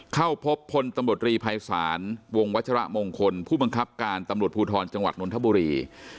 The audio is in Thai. เข้าพบพลตำรวจรีภัยศาลวงวัชระมงคลผู้บังคับการตำรวจภูทรจังหวัดนนทบุรี